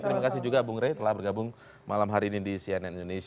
terima kasih juga bu ngeri telah bergabung malam hari ini di cnn